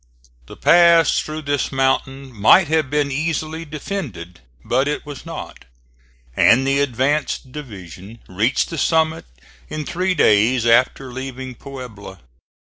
The pass through this mountain might have been easily defended, but it was not; and the advanced division reached the summit in three days after leaving Puebla.